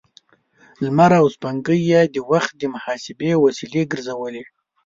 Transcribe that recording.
لمر او سپوږمۍ يې د وخت د محاسبې وسیلې ګرځولې.